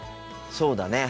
そうだね。